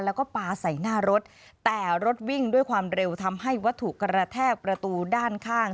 แล้วก็ปลาใส่หน้ารถแต่รถวิ่งด้วยความเร็วทำให้วัตถุกระแทกประตูด้านข้าง